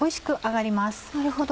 なるほど。